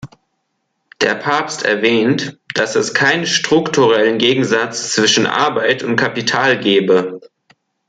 Der Papst erwähnt, dass es keinen „strukturellen Gegensatz zwischen Arbeit und Kapital“ gebe.